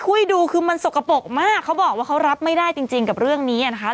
คุยดูคือมันสกปรกมากเขาบอกว่าเขารับไม่ได้จริงกับเรื่องนี้นะคะ